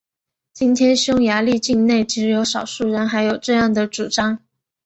今天匈牙利境内只有少数人还有这样的主张。